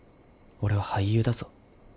俺は俳優だぞ。